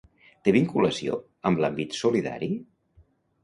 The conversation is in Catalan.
Té vinculació amb l'àmbit solidari?